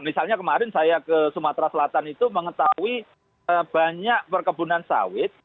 misalnya kemarin saya ke sumatera selatan itu mengetahui banyak perkebunan sawit